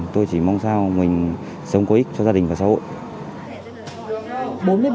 tôi chỉ mong sao mình sống có ích cho gia đình và xã hội